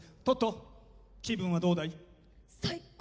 トット気分はどうだい？